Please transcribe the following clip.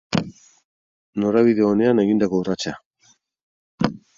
Norabide onean egindako urratsa.